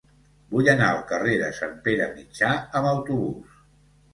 Vull anar al carrer de Sant Pere Mitjà amb autobús.